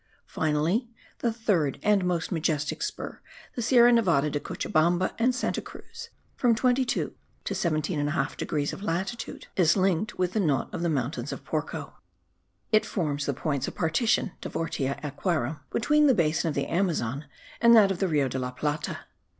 Finally, the third and most majestic spur, the Sierra Nevada de Cochabamba and Santa Cruz (from 22 to 17 1/2 degrees of latitude), is linked with the knot of the mountains of Porco. It forms the points of partition (divortia aquarum, between the basin of the Amazon and that of the Rio de la Plata.